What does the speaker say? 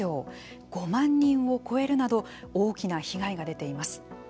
５万人を超えるなど大きな被害が出ています。